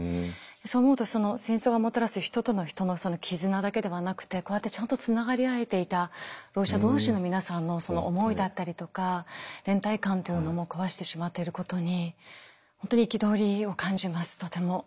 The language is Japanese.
そう思うと戦争がもたらす人と人との絆だけではなくてこうやってちゃんとつながり合えていたろう者同士の皆さんの思いだったりとか連帯感というのも壊してしまっていることに本当に憤りを感じますとても。